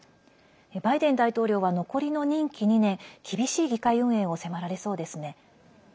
バイデン大統領は残りの任期２年厳しい議会運営を迫られそうですね。